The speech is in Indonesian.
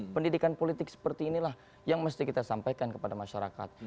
pendidikan politik seperti inilah yang mesti kita sampaikan kepada masyarakat